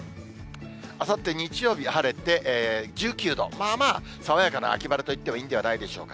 あさって日曜日晴れて１９度、まあまあ爽やかな秋晴れと言ってもいいんじゃないでしょうか。